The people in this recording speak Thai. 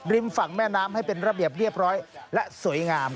ฝั่งแม่น้ำให้เป็นระเบียบเรียบร้อยและสวยงาม